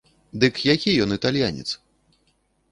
Дык які ён італьянец?